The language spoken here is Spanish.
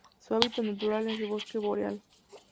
Su hábitat natural es el bosque boreal.